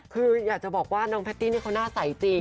คืออยากจะบอกว่าน้องแพตตี้นี่เขาหน้าใสจริง